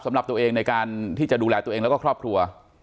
สำหรับตัวเองในการที่จะดูแลตัวเองแล้วก็ครอบครัว